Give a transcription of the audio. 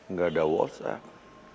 nggak ada whatsapp